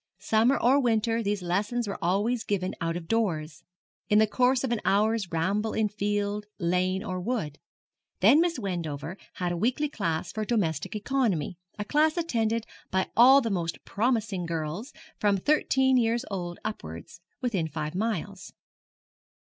Summer or winter these lessons were always given out of doors, in the course of an hour's ramble in field, lane, or wood. Then Miss Wendover had a weekly class for domestic economy, a class attended by all the most promising girls, from thirteen years old upwards, within five miles.